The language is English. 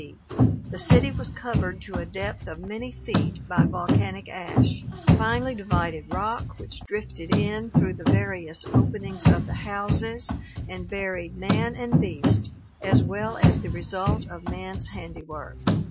d. The city was covered to a depth of many feet by volcanic ash, finely divided rock which drifted in through the various openings of the houses and buried man and beast as well as the result of man's 'handiwork.